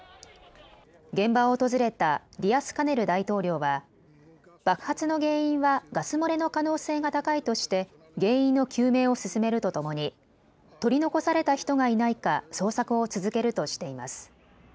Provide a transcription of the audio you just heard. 現場を訪れたディアスカネル大統領は爆発の原因はガス漏れの可能性が高いとして原因の究明を進めるとともに取り残された人がいないか捜索を続けるとしています。